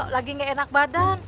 lagi gak enak badan